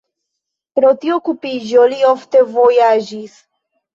Pro tiu okupiĝo li ofte vojaĝis.